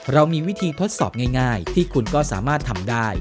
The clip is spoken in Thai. เรามีวิธีทดสอบง่ายที่คุณก็สามารถทำได้